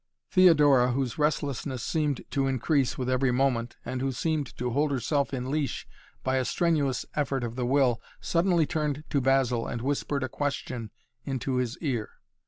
Theodora, whose restlessness seemed to increase with every moment, and who seemed to hold herself in leash by a strenuous effort of the will, suddenly turned to Basil and whispered a question into his ear.